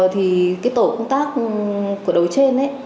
thì cái tổ công tác của đối trên